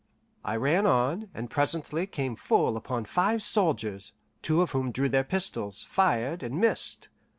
I ran on, and presently came full upon five soldiers, two of whom drew their pistols, fired, and missed.